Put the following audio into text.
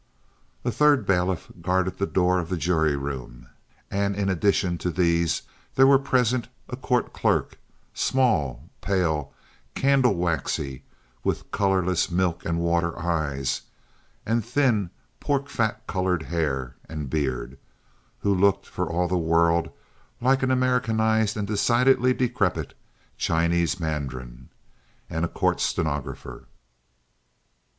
A third bailiff guarded the door of the jury room; and in addition to these there were present a court clerk—small, pale, candle waxy, with colorless milk and water eyes, and thin, pork fat colored hair and beard, who looked for all the world like an Americanized and decidedly decrepit Chinese mandarin—and a court stenographer.